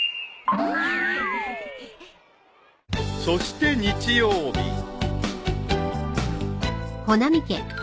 ［そして日曜日］